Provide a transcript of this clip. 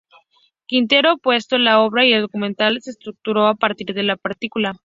Quintero orquestó la obra y el documental se estructuró a partir de la partitura.